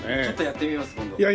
ちょっとやってみます今度。